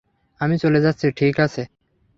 আমি চলে যাচ্ছি, ঠিক আছে?